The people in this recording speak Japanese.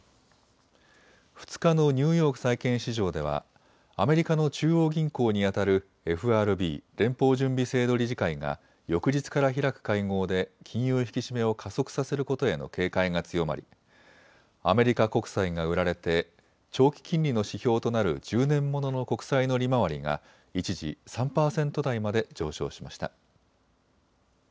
２日のニューヨーク債券市場ではアメリカの中央銀行にあたるＦＲＢ・連邦準備制度理事会が翌日から開く会合で金融引き締めを加速させることへの警戒が強まりアメリカ国債が売られて長期金利の指標となる１０年ものの国債の利回りが一時３％台まで上昇しました。